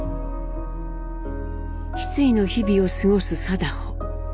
失意の日々を過ごす禎穗。